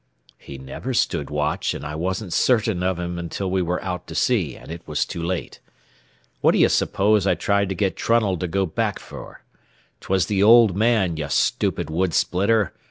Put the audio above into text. "He never stood watch, and I wasn't certain of him until we were out to sea and it was too late. What d'ye suppose I tried to get Trunnell to go back for? 'Twas the old man, you stupid wood splitter.